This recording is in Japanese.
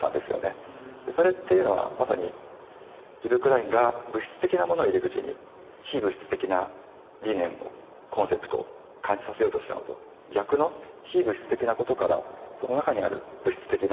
それっていうのはまさにイヴ・クラインが物質的なものを入り口に非物質的な理念コンセプトを感じさせようとしたのと逆の非物質的なことからその中にある物質的な。